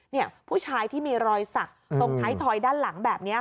เนี่ยผู้ชายที่มีรอยสักท้อยด้านหลังแบบนี้ค่ะ